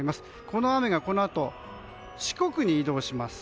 この雨がこのあと四国に移動します。